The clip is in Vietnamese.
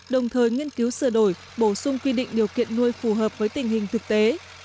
đồng thời nghiên cứu sửa đổi bổ sung quy định điều kiện nuôi phù hợp với tình hình thực tế